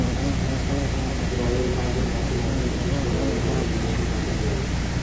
Isroil Pfizer vaksinasining uchinchi dozasi bilan emlanishni tavsiya qiladi